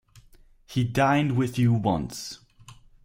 He dined with you once.